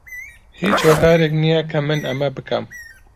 هیچ هۆکارێک نییە کە من ئەمە بکەم.